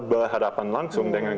berhadapan langsung dengan